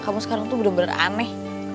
kamu sekarang tuh bener bener aneh